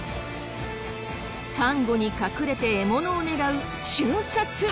サンゴに隠れて獲物を狙う瞬殺！